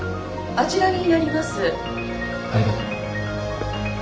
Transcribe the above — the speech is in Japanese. ありがとう。